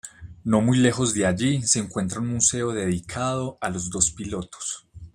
No muy lejos de allí se encuentra un museo dedicado a los dos pilotos.